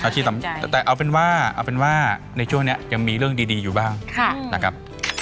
แต่เอาเป็นว่าในช่วงนี้ยังมีเรื่องดีอยู่บ้างนะครับ